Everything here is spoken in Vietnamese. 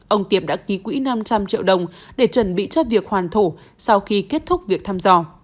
ông tiệp đã ký quỹ năm trăm linh triệu đồng để chuẩn bị cho việc hoàn thủ sau khi kết thúc việc thăm dò